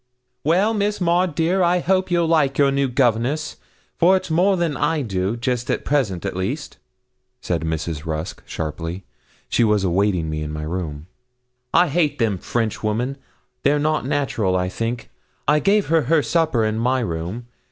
'Well, Miss Maud, dear, I hope you'll like your new governess for it's more than I do, just at present at least,' said Mrs. Rusk, sharply she was awaiting me in my room. 'I hate them French women; they're not natural, I think. I gave her her supper in my room.